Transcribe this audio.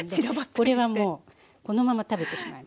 これはもうこのまま食べてしまいます。